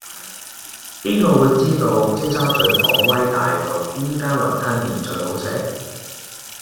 邊個會知道尖沙咀港威大道邊間雲吞麵最好食